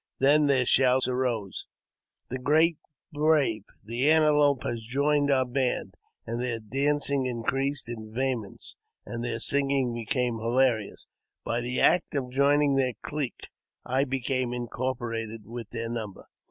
Then their shouts Arose, '' The great brave, the Antelope, has joined our band !" and their dancing increased in vehemence, and their singing became more hilarious. By the act of joining their clique I became incorporated with their number.